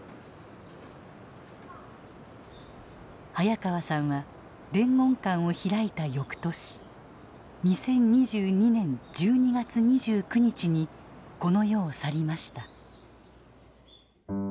早川さんは伝言館を開いた翌年２０２２年１２月２９日にこの世を去りました。